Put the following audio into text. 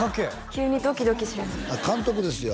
急にドキドキ監督ですよ